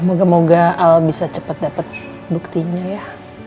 moga moga al bisa cepet dapet buktinya ya